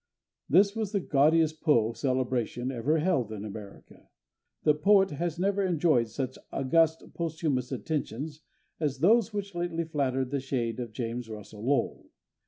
This was the gaudiest Poe celebration ever held in America. The poet has never enjoyed such august posthumous attentions as those which lately flattered the shade of James Russell Lowell.